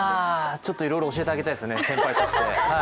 ちょっといろいろ教えてあげたいですね、先輩として。